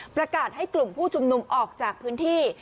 ประกาศให้กลุ่มผู้ชุมนุมออกจากพื้นที่